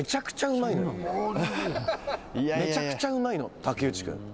「めちゃくちゃうまいの竹内君」